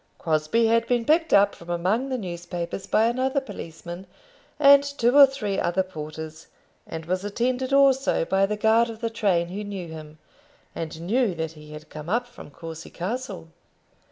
Crosbie had been picked up from among the newspapers by another policeman and two or three other porters, and was attended also by the guard of the train, who knew him, and knew that he had come up from Courcy Castle.